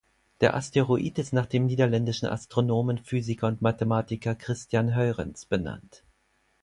Der Asteroid ist nach dem niederländischen Astronomen, Physiker und Mathematiker Christiaan Huygens benannt.